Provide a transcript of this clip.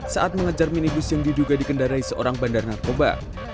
saat mengejar minibus yang diduga dikendarai seorang bandar narkoba